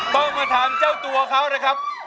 ต้องมาถามเจ้าตัวเขานะครับ